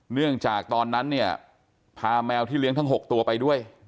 เนื่องจากตอนนั้นเนี่ยพาแมวที่เลี้ยงทั้ง๖ตัวไปด้วย